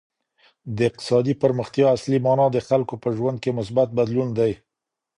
د اقتصادي پرمختيا اصلي مانا د خلګو په ژوند کي مثبت بدلون دی.